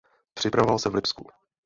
Připravoval se v Lipsku.